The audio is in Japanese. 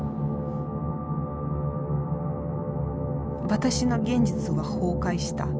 私の現実は崩壊した。